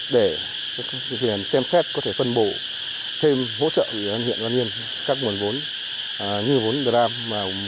để xem xét có thể phân bộ thêm hỗ trợ cho nhân dân yên các nguồn vốn như vốn gram